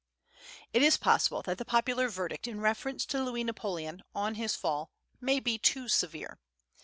It is possible that the popular verdict in reference to Louis Napoleon, on his fall, may be too severe.